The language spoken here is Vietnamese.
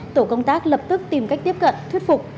tổ công tác lập tức tìm cách tiếp cận thuyết phục